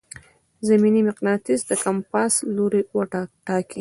زمیني مقناطیس د کمپاس لوری ټاکي.